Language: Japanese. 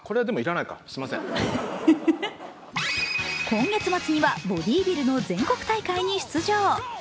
今月末にはボディビルの全国大会に出場。